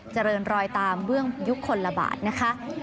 เจริญรอยตามเบื้องยุคลบาทนะคะ